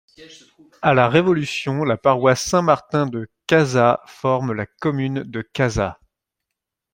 À la Révolution, la paroisse Saint-Martin de Cazats forme la commune de Cazats.